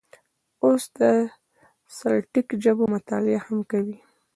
اوس د سلټیک ژبو مطالعه هم کوي.